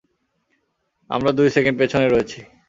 আমরা দুই সেকেন্ড পেছনে রয়েছি।